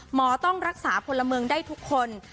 ต้องรักษาพลเมืองได้ทุกคน